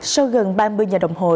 sau gần ba mươi giờ đồng hồ